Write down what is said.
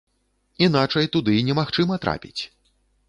Іначай туды немагчыма трапіць.